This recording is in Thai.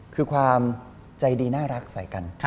คือความใจดีน่ารักใส่กัน